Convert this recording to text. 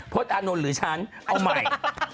อานนท์หรือฉันเอาใหม่